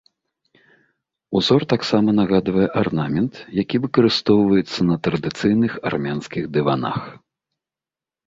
Узор таксама нагадвае арнамент, які выкарыстоўваецца на традыцыйных армянскіх дыванах.